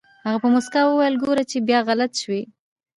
هغه په موسکا وويل ګوره چې بيا غلط شوې.